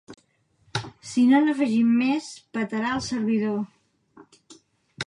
Si no n'afegim més, petarà el servidor.